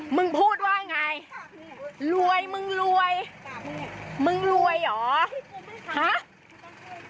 มึงพูดว่าไงรวยมึงรวยมึงรวยเหรอฮะ